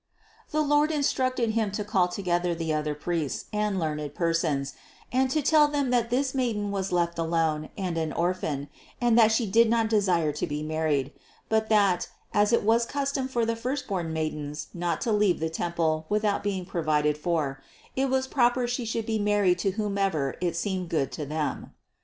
The Lord instructed Him to call together the other priests and learned persons and to tell them that this Maiden was left alone and an orphan and that She did not desire to be married; but that, as it was a cus tom for the firstborn maidens not to leave the temple without being provided for, it was proper She should be married to whomever it seemed good to them.